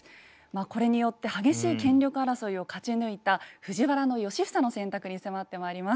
これによって激しい権力争いを勝ち抜いた藤原良房の選択に迫ってまいります。